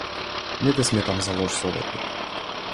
Не те сметам за лош советник.